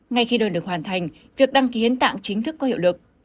ngay khi đơn được hoàn thành việc đăng ký hiến tạng chính thức có hiệu lực